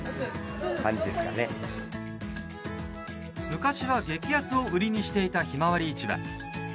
昔は激安を売りにしていたひまわり市場。